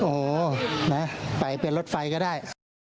โอ้โหนะไปเป็นรถไฟก็ได้